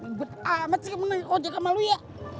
ngebet amat sih mau ngocet sama lu ya